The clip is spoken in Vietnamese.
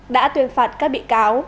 đã tuyên phạt các bị cáo